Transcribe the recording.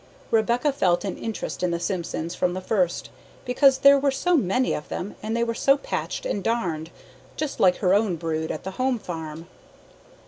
Rebecca felt an interest in the Simpsons from the first, because there were so many of them and they were so patched and darned, just like her own brood at the home farm.